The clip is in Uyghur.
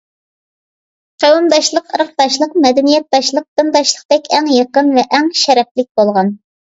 قەۋمداشلىق، ئىرقداشلىق، مەدەنىيەتداشلىق، دىنداشلىقتەك ئەڭ يېقىن ۋە ئەڭ شەرەپلىك بولغان.